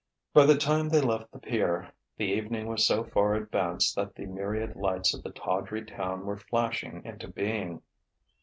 By the time they left the pier, the evening was so far advanced that the myriad lights of the tawdry town were flashing into being.